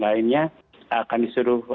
lainnya akan disuruh